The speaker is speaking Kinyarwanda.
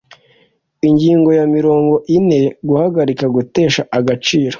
Ingingo ya mirongo ine Guhagarika gutesha agaciro